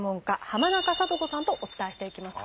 浜中聡子さんとお伝えしていきます。